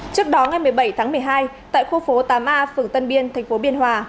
trước đó ngày một mươi bảy tháng một mươi hai tại khu phố tám a phường tân biên tp biên hòa